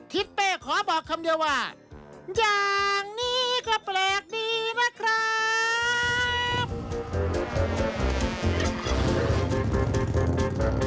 ทิศเป้ขอบอกคำเดียวว่าอย่างนี้ก็แปลกดีนะครับ